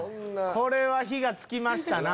これは火が付きましたな。